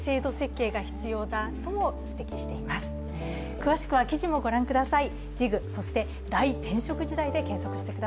詳しくは記事もご覧ください。